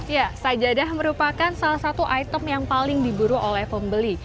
ya sajadah merupakan salah satu item yang paling diburu oleh pembeli